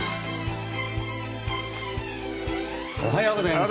おはようございます。